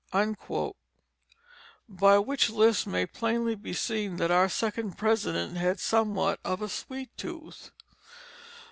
By which lists may plainly be seen that our second President had somewhat of a sweet tooth.